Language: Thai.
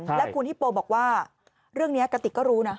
และคุณฮิปโปบอกว่าเรื่องนี้กระติกก็รู้นะ